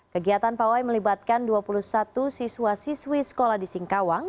kegiatan pawai melibatkan dua puluh satu siswa siswi sekolah di singkawang